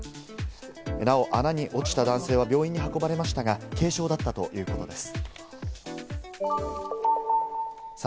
なお、穴に落ちた男性は病院に運ばれましたが、軽傷だったということです。